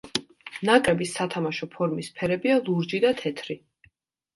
ნაკრების სათამაშო ფორმის ფერებია ლურჯი და თეთრი.